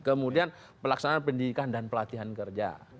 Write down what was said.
kemudian pelaksanaan pendidikan dan pelatihan kerja